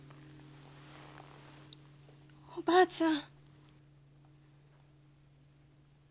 おばあちゃん。